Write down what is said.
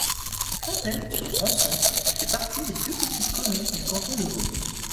Fontaines-sur-Grandson fait partie des plus petites communes du canton de Vaud.